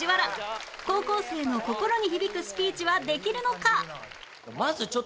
高校生の心に響くスピーチはできるのか？